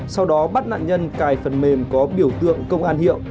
sau đó bắt nạn nhân cài phần mềm có biểu tượng công an hiệu